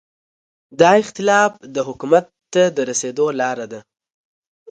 دا اختلاف د حکومت ته رسېدو لاره ده.